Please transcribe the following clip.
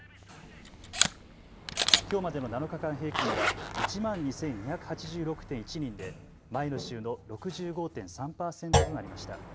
きょうまでの７日間平均は１万２２８６．１人で前の週の６５．３％となりました。